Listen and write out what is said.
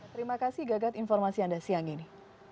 terima kasih gagat informasi anda siang ini